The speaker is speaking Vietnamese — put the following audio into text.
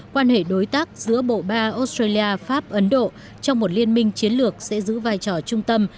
quan hệ đối tác giữa bộ ba australia pháp ấn độ trong một liên minh chiến lược sẽ giữ vai trò trung tâm